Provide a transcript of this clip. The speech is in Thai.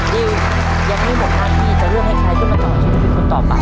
ดิวอย่างนี้ผมพาพี่จะเลือกให้ใครเข้ามาต่อชีวิตเป็นคนต่อไป